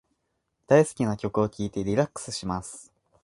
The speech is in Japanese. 大好きな曲を聞いてリラックスします。